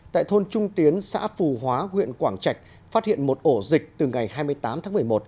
tại thôn trung tiến xã phù hóa huyện quảng trạch phát hiện một ổ dịch từ ngày hai mươi tám tháng một mươi một